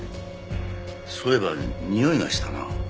そういえばにおいがしたな。